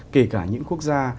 kể cả những quốc gia